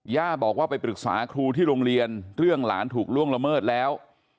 ย่าบอกว่าไปปรึกษาครูที่โรงเรียนเรื่องหลานถูกล่วงละเมิดแล้ว